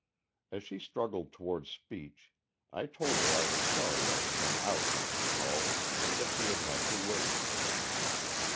As she struggled towards speech, I told her I was sorry I had been out when she called, and that she had had to wait.